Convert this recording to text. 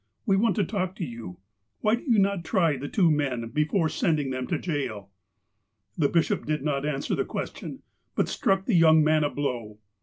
We want to talk to you. Why do you not try the two men, before sending them to jail?" The bishop did not answer the question, but struck the young man a blow.